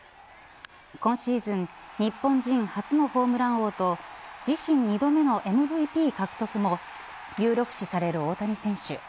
今シーズン日本人初のホームラン王と自身２度目のＭＶＰ獲得も有力視される大谷選手。